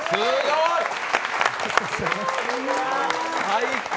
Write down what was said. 最高！